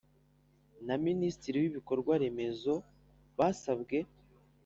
Na minisitiri w ibikorwa remezo basabwe